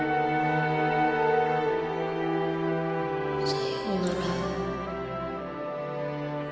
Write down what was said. さようなら